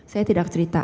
saya tidak cerita